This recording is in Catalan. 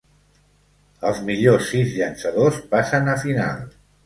Els millors sis llançadors passen a final.